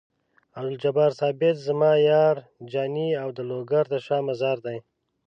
عبدالجبار ثابت زما یار جاني او د لوګر د شاه مزار دی.